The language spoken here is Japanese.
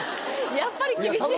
やっぱり厳しい。